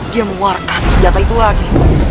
dia mengeluarkan senjata itu lagi